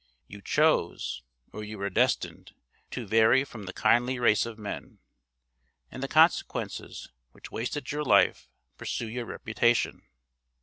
You chose, or you were destined To vary from the kindly race of men; and the consequences, which wasted your life, pursue your reputation.